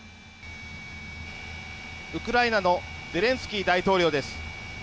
ウクライナのゼレンスキー大統領です。